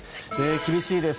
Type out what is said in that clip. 厳しいです。